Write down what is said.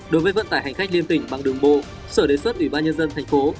đối với vận tải hành khách liên tỉnh bằng đường bộ sở đề xuất ủy ban nhân dân thành phố